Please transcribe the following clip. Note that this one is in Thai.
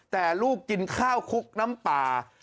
แต่ลูกกินข้าวคุกน้ำปลา